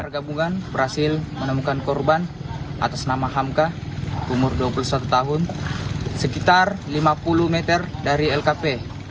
gabungan berhasil menemukan korban atas nama hamka umur dua puluh satu tahun sekitar lima puluh meter dari lkp